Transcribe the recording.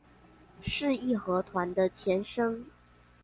是義和團的前身